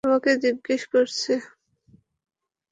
তোমাকে জিজ্ঞেস করছি।